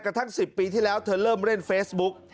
ทั้ง๑๐ปีที่แล้วเธอเริ่มเล่นเฟซบุ๊ก